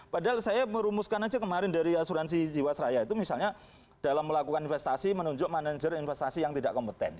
padahal saya merumuskan aja kemarin dari asuransi jiwasraya itu misalnya dalam melakukan investasi menunjuk manajer investasi yang tidak kompeten